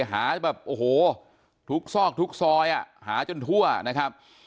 หาแบบโอ้โหทุกซอกทุกซอยหาจนทั่วนะครับ